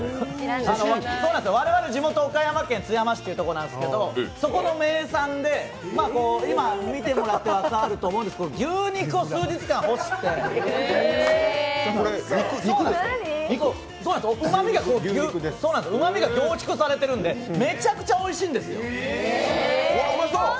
我々の地元・岡山県津山市というところなんですがそこの名産で、今、見てもらっていると思いますけど牛肉を数日間干して、うまみが凝縮されてるんで、めちゃくちゃおいしいんですよ。